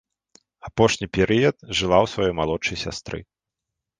Апошні перыяд жыла ў сваёй малодшай сястры.